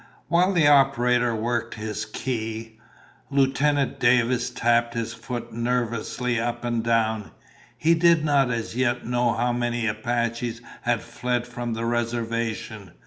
While the operator worked his key, Lieutenant Davis tapped his foot nervously up and down. He did not as yet know how many Apaches had fled from the reservation.